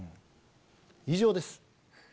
以上です。